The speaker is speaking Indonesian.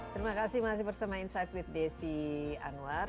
terima kasih masih bersama insight with desi anwar